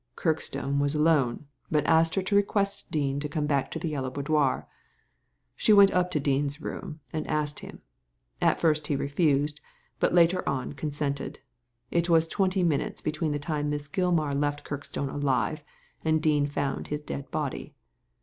Kirkstone was alone, but asked her to request Dean to come back to the Yellow Boudoir. She went up to Dean's room and asked him. At first he refused, but later on consented. It was twenty minutes between the time Miss Gilmar left Kirkstone alive and Dean found his dead body.